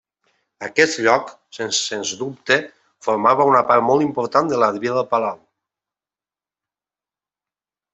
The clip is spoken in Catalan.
Aquest lloc, sens dubte, formava una part molt important de la vida al palau.